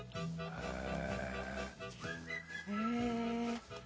「へえ」